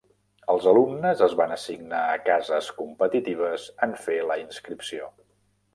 Els alumnes es van assignar a cases competitives en fer la inscripció.